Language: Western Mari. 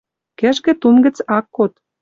Кӹжгӹ тум гӹц ак код